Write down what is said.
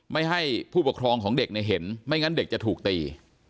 ไม่ให้ผู้ปกครองของเด็กเห็นไม่งั้นเด็กจะถูกตี